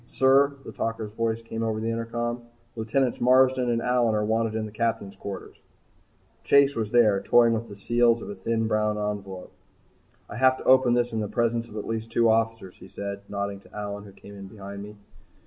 "Sir," the talker's voice came over the intercom, "Lieutenants Marsden and Allyn are wanted in the Captain's quarters." Chase was there toying with the seals of a thin, brown envelope. "I have to open this in the presence of at least two officers," he said nodding at Allyn who came in behind me.